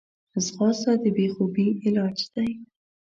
ځغاسته د بېخوبي علاج دی